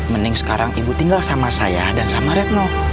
mending sekarang ibu tinggal sama saya dan sama retno